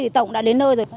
thì tàu cũng đã đến nơi rồi